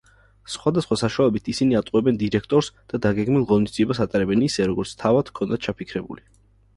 სხვადასხვა საშუალებით ისინი ატყუებენ დირექტორს და დაგეგმილ ღონისძიებას ატარებენ ისე, როგორც თავად ჰქონდათ ჩაფიქრებული.